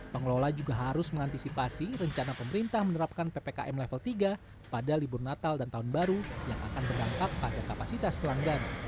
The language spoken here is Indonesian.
pengelola juga harus mengantisipasi rencana pemerintah menerapkan ppkm level tiga pada libur natal dan tahun baru yang akan berdampak pada kapasitas pelanggan